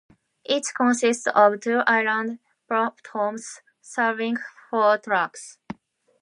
Each consists of two island platforms serving four tracks.